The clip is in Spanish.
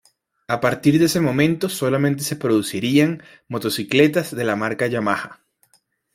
A partir de ese momento solamente se producirían motocicletas de la marca Yamaha.